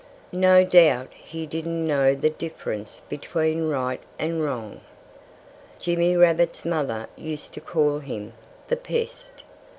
No doubt he didn't know the difference between right and wrong. Jimmy Rabbit's mother used to call him "the Pest."